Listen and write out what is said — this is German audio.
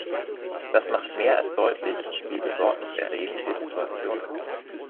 Das macht mehr als deutlich, wie Besorgnis erregend die Situation ist.